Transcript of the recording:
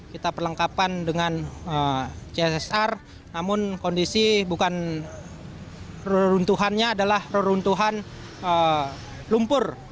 kita perlengkapan dengan csr namun kondisi bukan reruntuhannya adalah reruntuhan lumpur